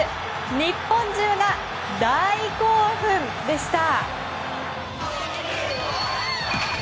日本中が大興奮でした。